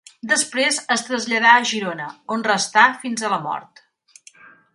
Després es traslladà a Girona, on restà fins a la mort.